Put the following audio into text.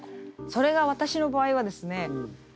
それが私の場合はですね